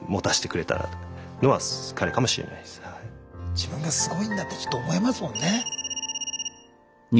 自分がすごいんだってちょっと思えますもんね。